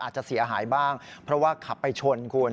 อาจจะเสียหายบ้างเพราะว่าขับไปชนคุณ